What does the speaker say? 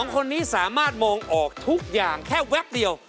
คนนี้สามารถมองออกทุกอย่างแค่แวบเดียว